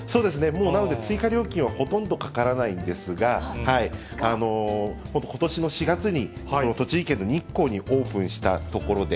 もうなので、追加料金はほとんどかからないんですが、ことしの４月に栃木県の日光にオープンしたところで。